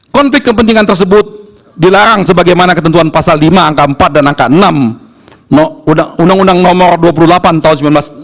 konflik kepentingan tersebut dilarang sebagaimana ketentuan pasal lima angka empat dan angka enam undang undang nomor dua puluh delapan tahun seribu sembilan ratus sembilan puluh